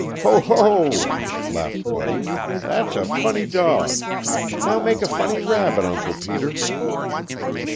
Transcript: "Ho, ho!" laughed Buddy; "that's a funny dog! Now make a funny rabbit, Uncle Peter."